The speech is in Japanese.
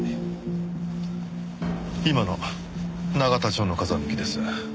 今の永田町の風向きです。